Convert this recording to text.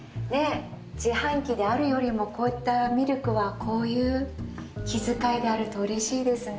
自販機であるよりもこういったミルクはこういう気遣いがあるとうれしいですね。